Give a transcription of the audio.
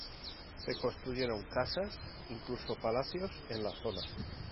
Se construyeron casas, incluso palacios, en la zona.